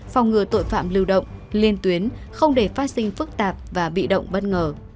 phòng ngừa tội phạm lưu động liên tuyến không để phát sinh phức tạp và bị động bất ngờ